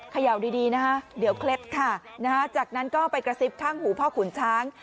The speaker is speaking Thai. เขย่าดีนะคะเดี๋ยวเคล็ดค่ะนะฮะจากนั้นก็ไปกระซิบข้างหูพ่อขุนช้าง